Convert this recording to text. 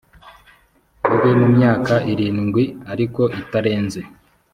bibe mumyaka irindwi ariko itarenze